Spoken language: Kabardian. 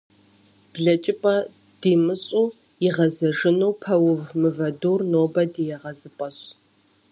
Блэкӏыпӏэ димыщӏу игъэзэжыну пэув, мывэ дур нобэ ди егъэзыпӏэщ.